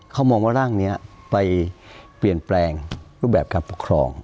เขามองว่าร่างนี้ไปเปลี่ยนแปลงรูปแบบการปกครอง